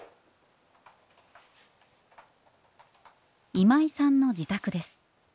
今井さんの自宅です。